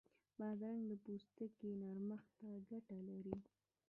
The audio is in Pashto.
بادرنګ د پوستکي نرمښت ته ګټه لري.